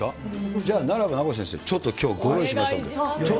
じゃあ、ならば名越先生、ちょっときょう、ご用意しましたので。